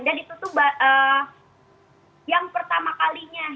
dan itu tuh yang pertama kalinya